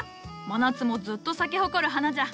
真夏もずっと咲き誇る花じゃ。